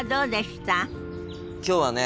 今日はね